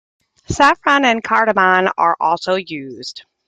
Saffron and cardamom are also used.